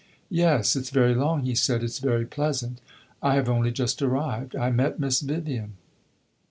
"Yes, it 's very long," he said; "it 's very pleasant. I have only just arrived; I met Miss Vivian."